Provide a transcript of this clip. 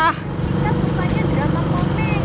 kita sukanya drama komik